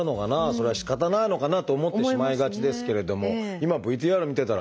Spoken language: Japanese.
それはしかたないのかなと思ってしまいがちですけれども今ＶＴＲ見てたらね